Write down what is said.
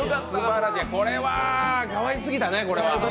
これはかわいすぎたね。